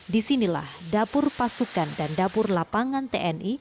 disinilah dapur pasukan dan dapur lapangan tni